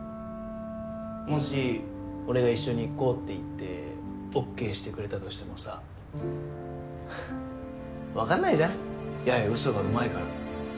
もし俺が一緒に行こうって言ってＯＫしてくれたとしてもさははっわかんないじゃん八重うそがうまいから。